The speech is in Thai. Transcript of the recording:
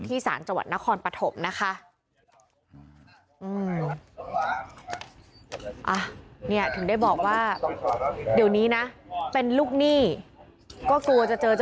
อีกเรื่องนึงนะ